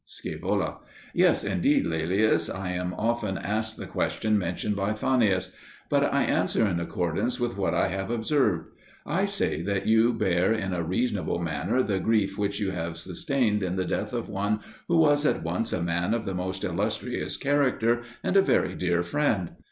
Scaevola. Yes, indeed, Laelius, I am often asked the question mentioned by Fannius. But I answer in accordance with what I have observed: I say that you bear in a reasonable manner the grief which you have sustained in the death of one who was at once a man of the most illustrious character and a very dear friend.